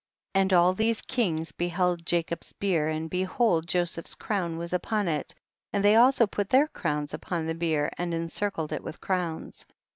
44. And all these kings beheld Ja cob's bier, and behold Joseph's crown was upon it, and they also put their crowns upon the bier, and encircled it with crowns.